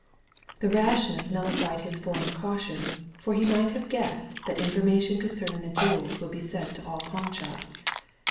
The rashness nullified his former caution, for he might have guessed that information concerning the jewels would be sent to all pawnshops.